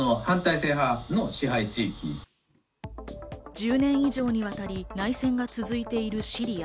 １０年以上にわたり内戦が続いているシリア。